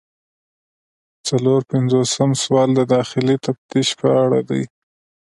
څلور پنځوسم سوال د داخلي تفتیش په اړه دی.